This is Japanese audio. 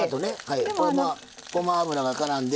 ごま油がからんで。